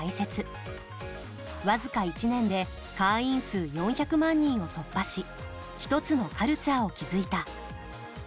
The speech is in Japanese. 僅か１年で会員数４００万人を突破し一つのカルチャーを築いた。